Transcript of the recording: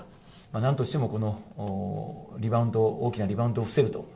なんとしてもこのリバウンド、大きなリバウンドを防ぐと。